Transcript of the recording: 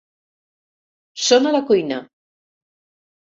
Són a la cuina.